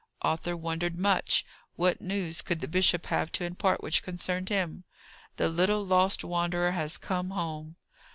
Arthur wondered much. What news could the bishop have to impart which concerned him? "The little lost wanderer has come home."